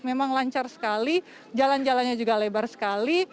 memang lancar sekali jalan jalannya juga lebar sekali